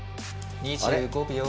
２５秒。